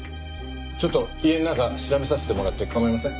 ちょっと家の中調べさせてもらって構いません？